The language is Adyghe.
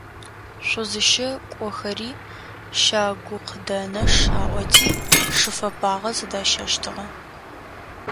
Шъузыщэ кӏохэри щагукъыдэнэш аӏоти шы фэпагъэ зыдащэщтыгъэ.